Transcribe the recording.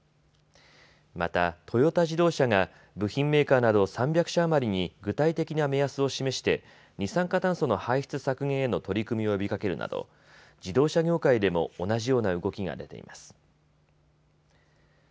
またトヨタ自動車が部品メーカーなど３００社余りに具体的な目安を示して二酸化炭素の排出削減への取り組みを呼びかけるなど自動車業界でも同じような動きが出ています。